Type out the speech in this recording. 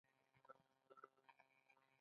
د سکاربیک تیزاب په لیمو کې پیداکیږي.